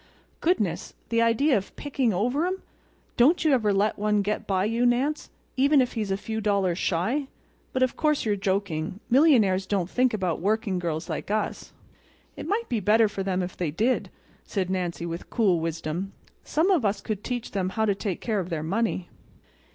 "Goodness! the idea of picking over 'em! Don't you ever let one get by you Nance—even if he's a few dollars shy. But of course you're joking—millionaires don't think about working girls like us." "It might be better for them if they did," said Nancy, with cool wisdom. "Some of us could teach them how to take care of their money."